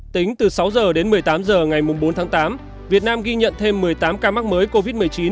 tính từ sáu h đến một mươi tám h ngày bốn tháng tám việt nam ghi nhận thêm một mươi tám ca mắc mới covid một mươi chín